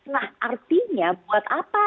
nah artinya buat apa